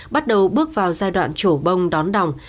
bắt đầu bước vào giai đoạn chỗ bông đón đỏng